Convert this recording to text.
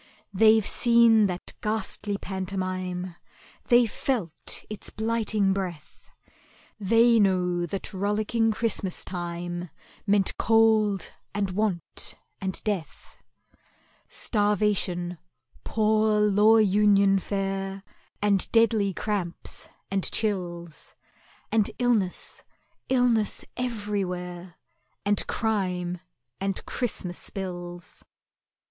They've seen that ghastly pantomime, They've felt its blighting breath, They know that rollicking Christmas time Meant Cold and Want and Death,— Starvation—Poor Law Union fare— And deadly cramps and chills, And illness—illness everywhere, And crime, and Christmas bills.